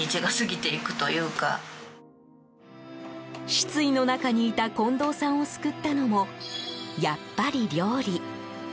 失意の中にいた近藤さんを救ったのも、やっぱり料理。